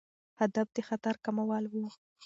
هدف د خطر کمول وو.